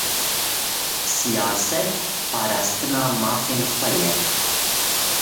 Sîyaset, parastina mafên xwe ye